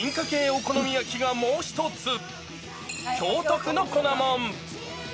お好み焼きがもう一つ、京都府の粉もん。